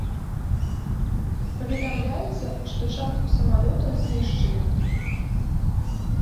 Паведамляецца што частка самалётаў знішчылі.